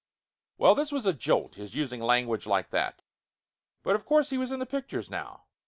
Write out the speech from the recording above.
Well this was a jolt, his using language like that, but of course he was in the pictures now.